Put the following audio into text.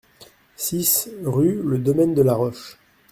six rue Le Domaine de la Roche